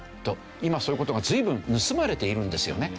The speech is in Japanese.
今そういう事が随分盗まれているんですよね。